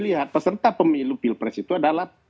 lihat peserta pemilu pilpres itu adalah